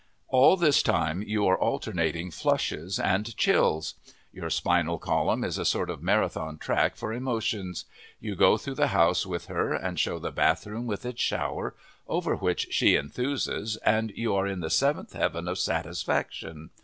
All this time you are alternating flushes and chills. Your spinal column is a sort of marathon track for emotions. You go through the house with her and show the bathroom with its shower, over which she enthuses, and you are in the seventh heaven of satisfaction.